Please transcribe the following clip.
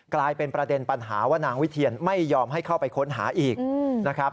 กลายเป็นประเด็นปัญหาว่านางวิเทียนไม่ยอมให้เข้าไปค้นหาอีกนะครับ